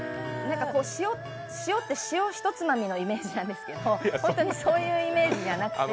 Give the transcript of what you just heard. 塩って塩ひとつまみのイメージなんですけど本当にそんなイメージじゃなくて。